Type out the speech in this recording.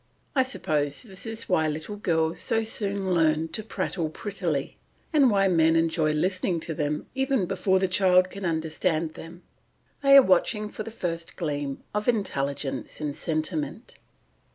I suppose this is why little girls so soon learn to prattle prettily, and why men enjoy listening to them even before the child can understand them; they are watching for the first gleam of intelligence and sentiment.